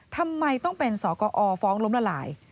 ทำไมต้องเป็นสกอฟ้องล้มละลาย